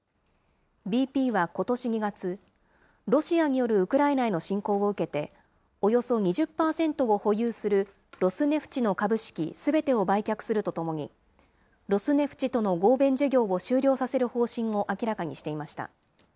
ＢＰはことし２月、ロシアによるウクライナへの侵攻を受けて、およそ２０％を保有するロスネフチの株式すべてを売却するとともに、ロスネフチとの合弁事業を終了させる方針を明らかにしていました。